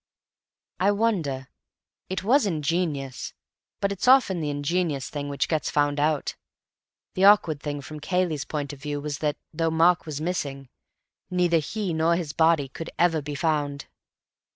"I wonder. It was ingenious, but it's often the ingenious thing which gets found out. The awkward thing from Cayley's point of view was that, though Mark was missing, neither he nor his body could ever be found.